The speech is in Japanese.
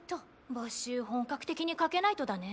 募集本格的にかけないとだね。